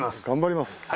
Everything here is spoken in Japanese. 頑張ります。